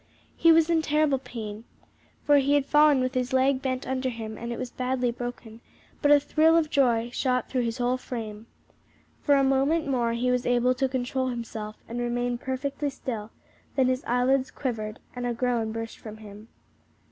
He was in terrible pain, for he had fallen with his leg bent under him and it was badly broken; but a thrill of joy shot through his whole frame. For a moment more he was able to control himself and remain perfectly still, then his eyelids quivered, and a groan burst from him.